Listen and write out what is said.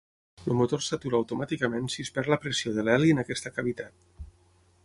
El motor s'atura automàticament si es perd la pressió de l'heli en aquesta cavitat.